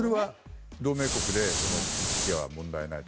それは同盟国で行き来は問題ないと。